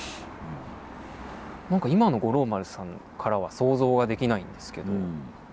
何か今の五郎丸さんからは想像ができないんですけど。